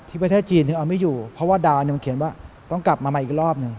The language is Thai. ที่ประเทศจีนไม่มีอยู่เพราะว่าดารด์เขียนว่าต้องกลับมาอีกรอบ